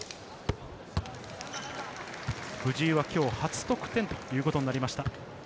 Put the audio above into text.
藤井は今日、初得点ということになりました。